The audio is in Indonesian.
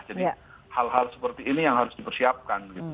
jadi hal hal seperti ini yang harus dipersiapkan